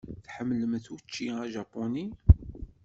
Tḥemmlemt učči ajapuni?